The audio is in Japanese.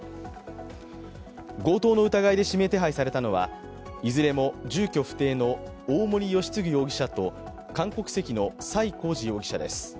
強盗の疑いで指名手配されたのはいずれも住居不定の大森由嗣容疑者と韓国籍の崔浩司容疑者です。